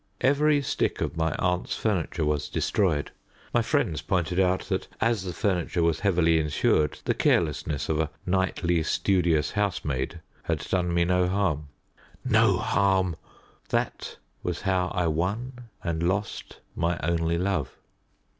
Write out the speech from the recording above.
Every stick of my aunt's furniture was destroyed. My friends pointed out that, as the furniture was heavily insured, the carelessness of a nightly studious housemaid had done me no harm. No harm! That was how I won and lost my only love.